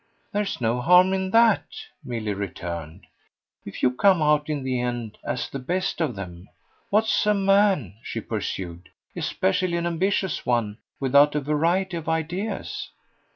"There's no harm in that," Milly returned, "if you come out in the end as the best of them. What's a man," she pursued, "especially an ambitious one, without a variety of ideas?"